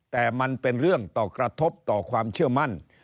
แต่มันเป็นเรื่องต่อกระทบต่อความเชื่อมั่น